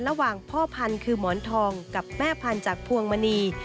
ระหว่างพ่อพันธุ์คือหมอนทองกับแม่พันธุ์จากพวงมณี